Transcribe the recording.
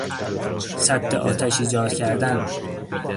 سد آتش ایجاد کردن